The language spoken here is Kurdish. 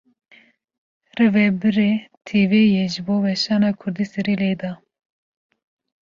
Rivebirê tv yê, ji bo weşana Kurdî serî lê da